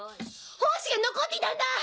胞子が残っていたんだ！